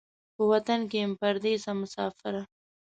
په وطن کې یم پردېسه مسافره